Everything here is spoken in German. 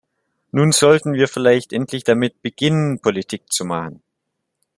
Nun sollten wir vielleicht endlich damit beginnen, Politik zu machen.